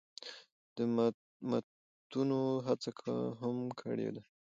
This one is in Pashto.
د ماتونو هڅه هم کړې ده